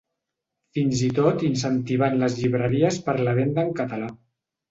Fins i tot incentivant les llibreries per la venda en català.